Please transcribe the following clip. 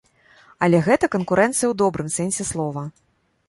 Але гэта канкурэнцыя ў добрым сэнсе слова.